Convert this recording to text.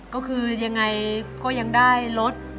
ก็คือยังไงก็ยังได้รถ